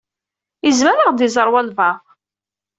Izmer ad ɣ-d-iẓeṛ walebɛaḍ.